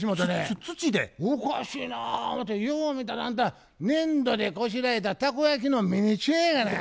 おかしいな思てよう見たらあんた粘土でこしらえたたこ焼きのミニチュアやがな。